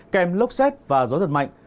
kèm lốc xét và gió thật mạnh